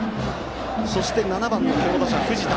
そして、７番の強打者・藤田。